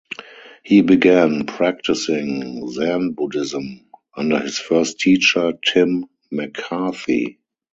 He began practicing Zen Buddhism under his first teacher, Tim McCarthy.